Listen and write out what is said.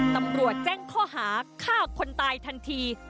ตำรวจแจ้งข้อหาฆ่าคนตายทันที